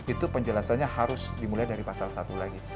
itu penjelasannya harus dimulai dari pasal satu lagi